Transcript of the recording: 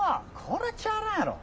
これちゃうやろ。